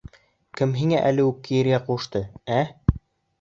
Кем һиңә әле үк кейергә ҡушты, ә?